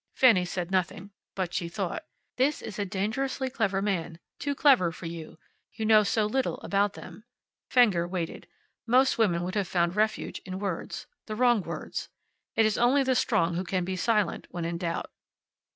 Fanny said nothing. But she thought, "This is a dangerously clever man. Too clever for you. You know so little about them." Fenger waited. Most women would have found refuge in words. The wrong words. It is only the strong who can be silent when in doubt.